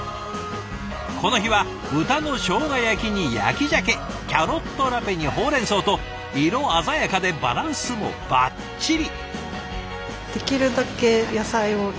この日は豚のしょうが焼きに焼きジャケキャロットラペにほうれん草と色鮮やかでバランスもばっちり！